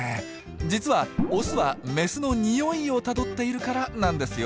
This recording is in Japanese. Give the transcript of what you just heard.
実はオスはメスのニオイをたどっているからなんですよ。